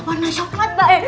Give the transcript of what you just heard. warna coklat mbak